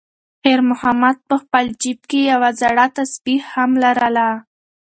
خیر محمد په خپل جېب کې یوه زړه تسبېح هم لرله.